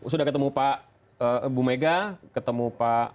sudah ketemu pak ibu megawati ketemu pak